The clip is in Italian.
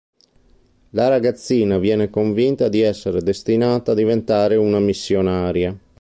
La ragazzina viene convinta di essere destinata a diventare una missionaria.